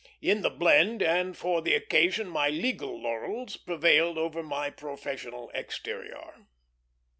In the blend, and for the occasion, my legal laurels prevailed over my professional exterior.